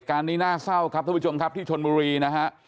นี้น่าเศร้าครับท่านผู้ชมครับที่ชนบุรีนะฮะ